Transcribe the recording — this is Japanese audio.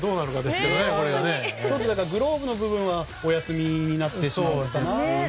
グローブの部分はお休みになってしまいましたね。